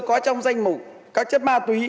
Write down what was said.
có trong danh mục các chất ma túy